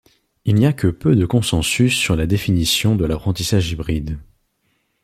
Il n'y a que peu de consensus sur la définition de l'apprentissage hybride.